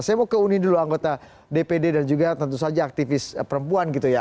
saya mau ke uni dulu anggota dpd dan juga tentu saja aktivis perempuan gitu ya